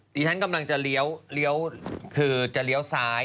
ดิฉันกำลังจะเลี้ยวคือจะเลี้ยวซ้าย